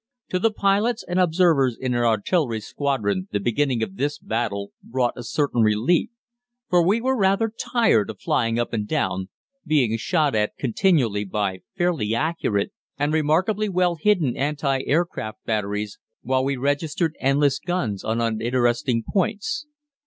To the pilots and observers in an artillery squadron the beginning of this battle brought a certain relief, for we were rather tired of flying up and down, being shot at continually by fairly accurate and remarkably well hidden anti aircraft batteries, while we registered endless guns on uninteresting points.